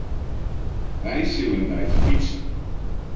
Wy sille in dei te fytsen.